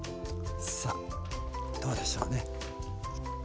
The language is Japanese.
さあどうでしょうね。